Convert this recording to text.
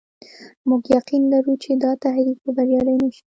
موږ يقين لرو چې دا تحریک به بریالی نه شي.